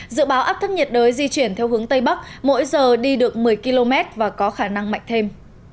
dự báo áp thấp nhiệt đới di chuyển theo hướng tây bắc mỗi giờ đi được một mươi km và có khả năng mạnh thêm